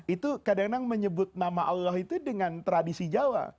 itu kadang kadang menyebut nama allah itu dengan tradisi jawa